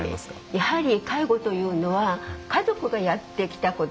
やはり介護というのは家族がやってきたこと